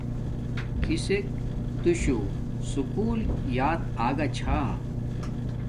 کسک تو شو سکُول یات آگا چھا